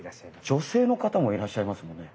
女性の方もいらっしゃいますよね。